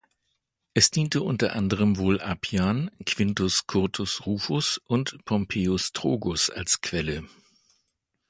Es diente unter anderem wohl Appian, Quintus Curtius Rufus und Pompeius Trogus als Quelle.